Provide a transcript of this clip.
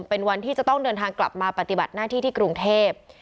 เป็นวันที่จะต้องเดินทางกลับมาปฏิบัติหน้าที่ที่กรุงเทพ